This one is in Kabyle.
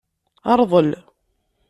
Rḍel.